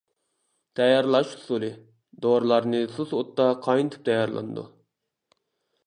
تەييارلاش ئۇسۇلى: دورىلارنى سۇس ئوتتا قاينىتىپ تەييارلىنىدۇ.